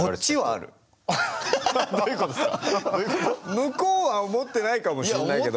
向こうは思ってないかもしれないけど。